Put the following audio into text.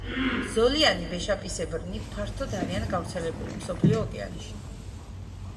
ზოლიანი ვეშაპისებრნი ფართოდ არიან გავრცელებული მსოფლიო ოკეანეში.